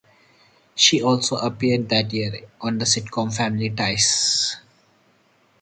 She also appeared that year on the sitcom "Family Ties".